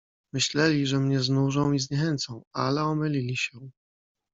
"Myśleli, że mnie znużą i zniechęcą, ale omylili się."